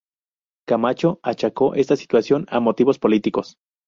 Camacho achacó esta destitución a motivos políticos.